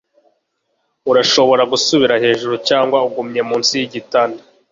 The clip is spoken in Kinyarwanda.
urashobora gusubira hejuru, cyangwa ugumye munsi yigitanda